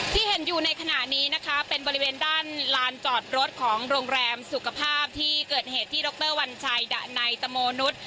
ที่เห็นอยู่ในขณะนี้นะคะเป็นบริเวณด้านลานจอดรถของโรงแรมสุขภาพที่เกิดเหตุที่ดรวัญชัยดะในตะโมนุษย์